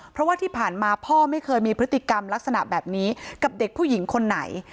เพราะว่าที่ผ่านมาพ่อไม่เคยมีพฤติกรรมลักษณะแบบนี้กับเด็กผู้หญิงคนไหน